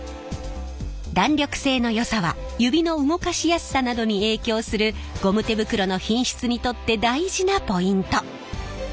弾力性のよさは指の動かしやすさなどに影響するゴム手袋の品質にとって大事なポイント。